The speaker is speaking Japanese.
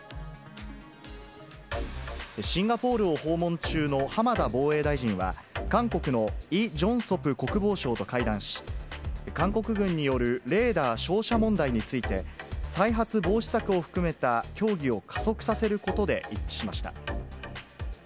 シンガポールを訪問中の浜田防衛大臣は、韓国のイ・ジョンソプ国防相と会談し、韓国軍によるレーダー照射問題について、再発防止策を含めた協議を加速させることで一致しました。